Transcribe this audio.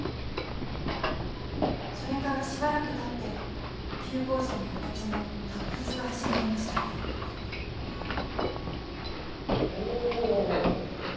それからしばらくたって旧校舎の遺骨の発掘が始まりましたおぉ。